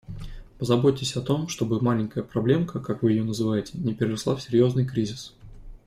Позаботьтесь о том, чтобы «маленькая проблемка», как вы ее называете, не переросла в серьёзный кризис.